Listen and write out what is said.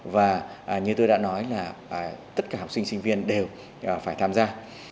và như tôi đã nói là tất cả học sinh sinh viên đều phải tham gia